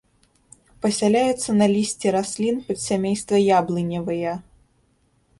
Пасяляюцца на лісці раслін падсямейства яблыневыя.